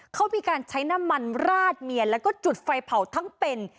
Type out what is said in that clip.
เขามีการใช้น้ำมันราดเมียแล้วก็จุดไฟเผาทั้งเป็น